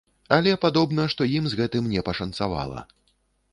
Але, падобна, што ім з гэтым не пашанцавала.